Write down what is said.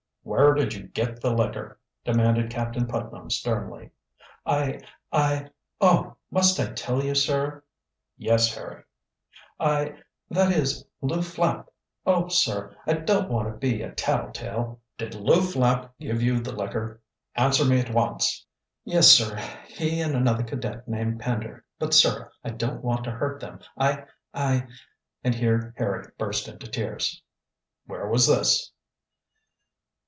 "Where did you get the liquor?" demanded Captain Putnam sternly. "I I oh, must I tell you, sir?" "Yes, Harry." "I that is, Lew Flapp Oh, sir, I don't want to be a tattle tale." "Did Lew Flapp give you the liquor? Answer me at once." "Yes, sir, he and another cadet named Pender. But, sir, I don't want to hurt them. I I " and here Harry burst into tears. "Where was this?"